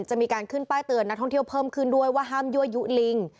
จะมีการขึ้นป้ายเตือนนักท่องเที่ยวเพิ่มขึ้นด้วยว่าห้ามยั่วยุลิง